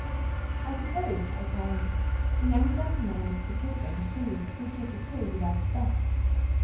"I suppose," I tell him, "the young gentleman is to pick and choose which of the two he likes best."